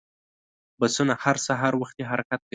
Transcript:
بسونه هر سهار وختي حرکت کوي.